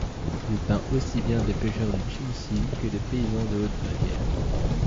Il peint aussi bien des pêcheurs du Chiemsee que des paysans de Haute-Bavière.